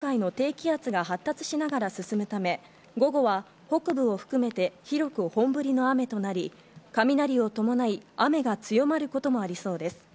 東北地方は日本海の低気圧が発達しながら進むため、午後は北部を含めて、広く本降りの雨となり、雷を伴い雨が強まることもありそうです。